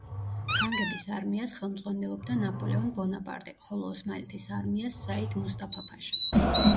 ფრანგების არმიას ხელმძღვანელობდა ნაპოლეონ ბონაპარტი, ხოლო ოსმალეთის არმიას საიდ მუსტაფა-ფაშა.